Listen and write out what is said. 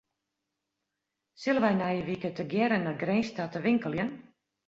Sille wy nije wike tegearre nei Grins ta te winkeljen?